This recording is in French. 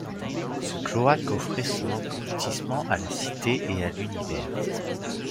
Ce cloaque offrait son engloutissement à la cité et à l’univers.